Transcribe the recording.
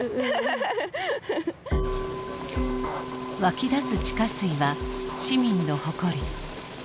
湧き出す地下水は市民の誇り。